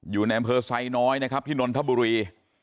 อยู่ในพไซเนอยนะครับพี่นนทบุรี